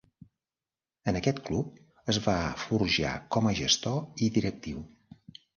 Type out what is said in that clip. En aquest club es va forjar com a gestor i directiu.